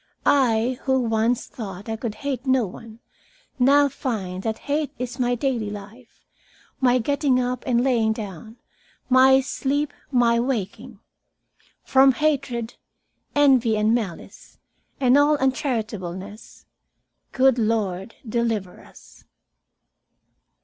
I, who once thought I could hate no one, now find that hate is my daily life, my getting up and lying down, my sleep, my waking. "'From hatred, envy, and malice, and all uncharitableness, Good Lord, deliver us.'